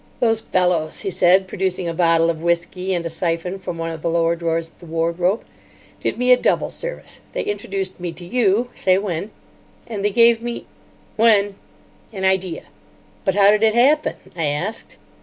"Those fellows," he said, producing a bottle of whisky and a syphon from one of the lower drawers of the wardrobe, "did me a double service. They introduced me to you—say when—and they gave me——" "When." "—an idea." "But how did it happen?" I asked.